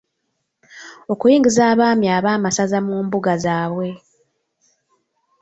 Okuyingiza Abaami Ab'amasaza mu Mbuga zaabwe.